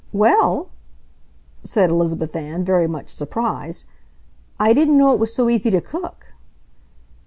"Well...!" said Elizabeth Ann, very much surprised. "I didn't know it was so easy to cook!"